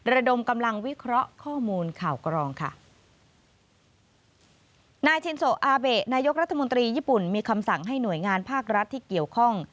ระดมกำลังวิเคราะห์ข้อมูลข่าวกรองค่ะนายชินโซอาเบะนายกรัฐมนตรีญี่ปุ่นมีคำสั่งให้หน่วยงานภาครัฐที่เกี่ยวข้อง